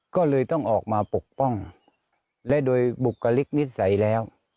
ก็เลยต้องออกมาปกป้องและโดยบุคลิกนิสัยแล้ว